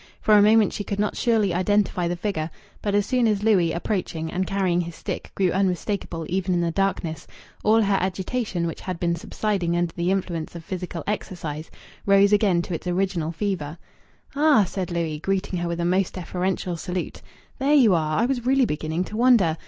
For a moment she could not surely identify the figure, but as soon as Louis, approaching, and carrying his stick, grew unmistakable even in the darkness, all her agitation, which had been subsiding under the influence of physical exercise, rose again to its original fever. "Ah!" said Louis, greeting her with a most deferential salute. "There you are. I was really beginning to wonder.